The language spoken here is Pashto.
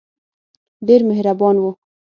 ډېر مهربان وو.